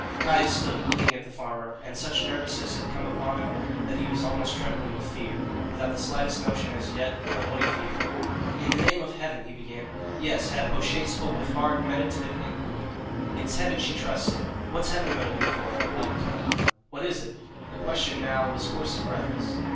Caius stood still, looking at the farmer, and such nervousness had come upon him that he was almost trembling with fear, without the slightest notion as yet of what he feared. "In the name of Heaven " he began. "Yes, Heaven!" O'Shea spoke with hard, meditative inquiry. "It's Heaven she trusts in. What's Heaven going to do for her, I'd loike to know?" "What is it?" The question now was hoarse and breathless.